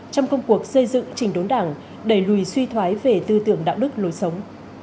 trong công cuộc xây dựng trình đốn đảng đẩy lùi suy thoái về tư tưởng đạo đức lối sống